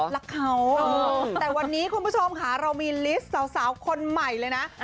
รักเขาแต่วันนี้คุณผู้ชมค่ะเรามีลิสต์สาวคนใหม่เลยนะ